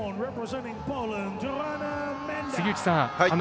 杉内さん